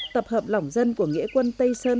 tập hợp lỏng dân của nghĩa quân tây sơn